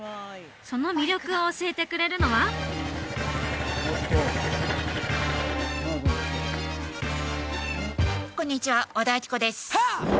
その魅力を教えてくれるのはこんにちは和田亜希子です